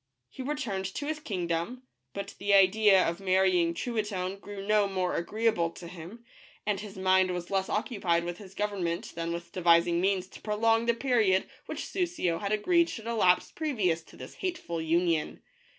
He returned to his kingdom, but the idea ot marrying Truitonne grew no more agreea ble to him, and his mind was less occupied with his govern ment than with devising means to prolong the period which Soussio had agreed should elapse previous to this hateful union.